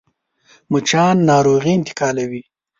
مچان ناروغي انتقالوي